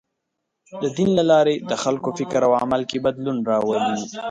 د دین له لارې د خلکو فکر او عمل کې بدلون راولي.